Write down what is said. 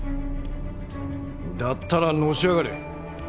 だったらのし上がれ。